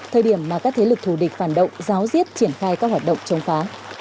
thời điểm mà các thế lực thù địch phản động giáo diết triển khai các hoạt động chống phá